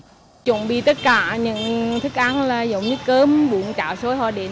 chúng tôi đã chuẩn bị tất cả những thức ăn giống như cơm bún chảo xôi họ đến